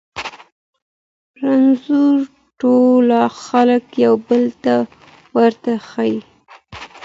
رنځونه ټول خلګ یو بل ته ورته ښیي.